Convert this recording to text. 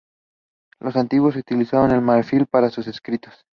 Los antiguos utilizaron el marfil para sus escritos.